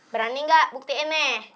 berani gak buktiin nih